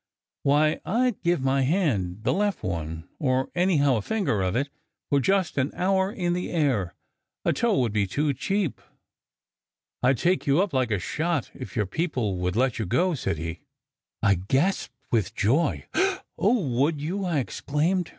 "Why, I d give my hand the left one or anyhow, a finger of it for just an hour in the air. A toe would be too cheap." " I d take you up like a shot, if your people would let you go," said he. I gasped with joy. "Oh, would you?" I exclaimed.